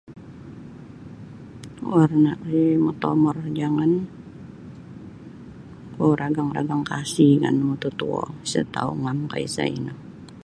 Warna ri motomor jangan kuo ragang-ragang kasi kaan da mututuo isa tau' ngamkah isa' ino.